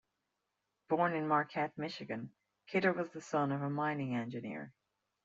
Born in Marquette, Michigan, Kidder was the son of a mining engineer.